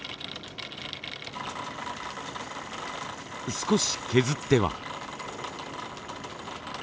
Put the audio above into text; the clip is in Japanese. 少し削っては。